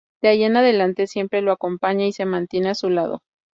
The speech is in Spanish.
De ahí en adelante siempre lo acompaña y se mantiene a su lado.